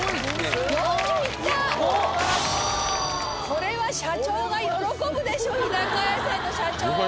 これは社長が喜ぶでしょ日高屋さんの社長！